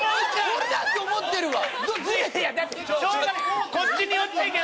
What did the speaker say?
俺だって思ってるわ。